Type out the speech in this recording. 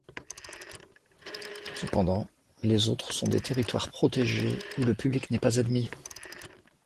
Cependant, les autres sont des territoires protégés où le public n'est pas admis.